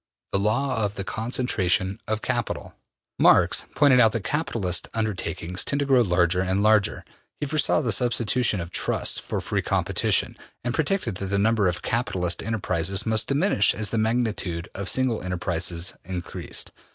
The Law of the Concentration of Capital. Marx pointed out that capitalist undertakings tend to grow larger and larger. He foresaw the substitution of trusts for free competition, and predicted that the number of capitalist enterprises must diminish as the magnitude of single enterprises increased.